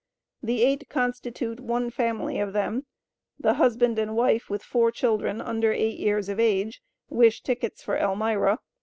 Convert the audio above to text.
The eight constitute one family of them, the husband and wife with four children under eight years of age, wish tickets for Elmira.